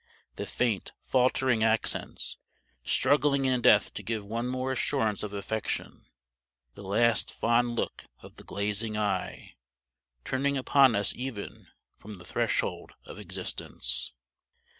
The faint, faltering accents, struggling in death to give one more assurance of affection! The last fond look of the glazing eye, turning upon us even from the threshold of existence!